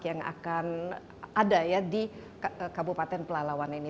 yang akan ada ya di kabupaten pelalawan ini